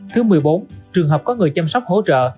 thứ mười bốn trường hợp có người chăm sóc hỗ trợ